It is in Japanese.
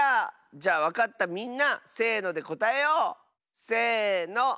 じゃわかったみんなせのでこたえよう！せの。